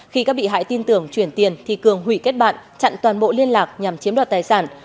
khi các bị hại tin tưởng chuyển tiền thì cường hủy kết bạn chặn toàn bộ liên lạc nhằm chiếm đoạt tài sản